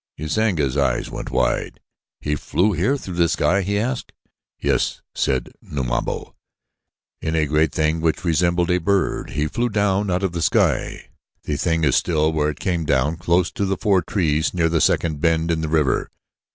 Usanga's eyes went wide. "He flew here through the sky?" he asked. "Yes," said Numabo. "In a great thing which resembled a bird he flew down out of the sky. The thing is still there where it came down close to the four trees near the second bend in the river.